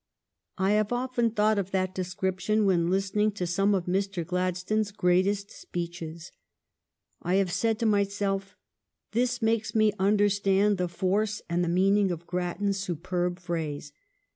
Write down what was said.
I have often thought of that description when listening to some of Mr. Gladstone's greatest speeches. I have said to my self: — This makes me understand the force and the meaning of Grattan's superb phrase.